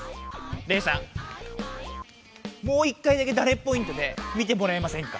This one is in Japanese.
レイさんもう一回だけダレッポイントで見てもらえませんか？